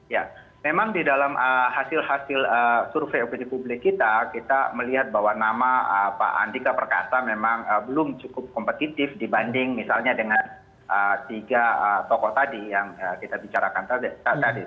ya memang di dalam hasil hasil survei opini publik kita kita melihat bahwa nama pak andika perkasa memang belum cukup kompetitif dibanding misalnya dengan tiga tokoh tadi yang kita bicarakan tadi